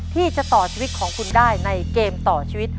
ที่จะต่อชีวิตของคุณได้ในเกมต่อชีวิต